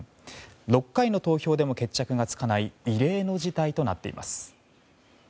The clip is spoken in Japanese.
６回の投票でも決着がつかない異例の事態となっています。